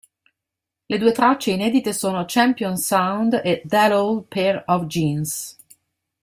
Le due tracce inedite sono Champion Sound e That Old Pair of Jeans.